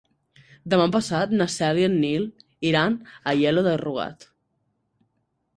Demà passat na Cel i en Nil iran a Aielo de Rugat.